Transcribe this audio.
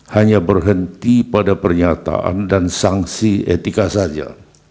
hanya berhenti pada pernyataan dan sanksi etika saja